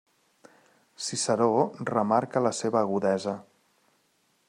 Ciceró remarca la seva agudesa.